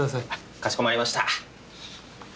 かしこまりました。